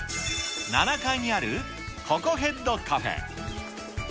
７階にあるココヘッドカフェ。